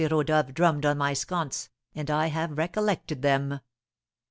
Rodolph drummed on my sconce, and I have recollected them."